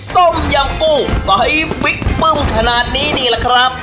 ต้มยำกุ้งสอสบิ๊กปึ้มขนาดนี้นี่แหละครับ